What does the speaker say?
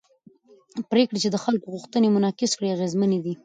پرېکړې چې د خلکو غوښتنې منعکس کړي اغېزمنې دي